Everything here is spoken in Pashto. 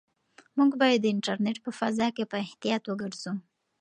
موږ باید د انټرنيټ په فضا کې په احتیاط وګرځو.